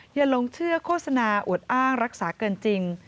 อย่าลงเชื่อโฆษณาอวดอ้างรักษาเกินจริง